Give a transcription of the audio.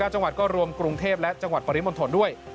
จังหวัดก็รวมกรุงเทพและจังหวัดปริมณฑลด้วย